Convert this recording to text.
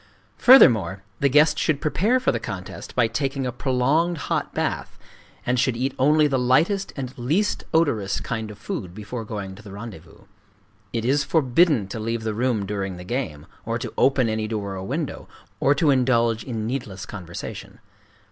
Furthermore, the guest should prepare for the contest by taking a prolonged hot bath, and should eat only the lightest and least odorous kind of food before going to the rendezvous. It is forbidden to leave the room during the game, or to open any door or window, or to indulge in needless conversation.